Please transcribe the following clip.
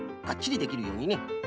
がっちりできるようにね。